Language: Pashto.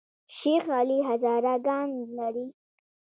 شیخ علي هزاره ګان لري؟